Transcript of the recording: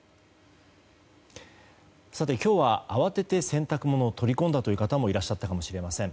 今日は慌てて洗濯物を取り込んだという方もいらっしゃったかもしれません。